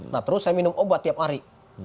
nah terus saya minum obat tiap hari